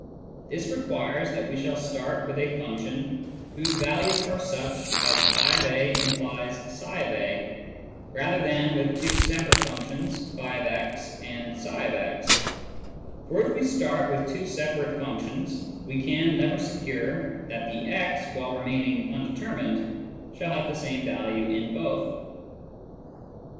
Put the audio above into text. This requires that we shall start with a function whose values are such as " <f>a implies tpa," rather than with two separate functions (fix and tfix ; for if we start with two separate functions we can never secure that the x, while remaining undetermined, shall have the same value in both.